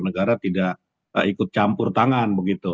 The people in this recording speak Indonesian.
negara tidak ikut campur tangan begitu